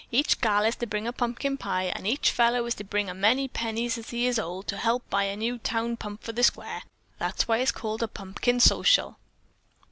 Each gal is to bring a pumpkin pie and each fellow is to bring as many pennies as he is old to help buy a new town pump for the Square. That's why it's called Pump kin Social."